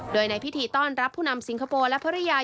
โดยในพิธีต้อนรับผู้นำสิงคโปร์และภรรยา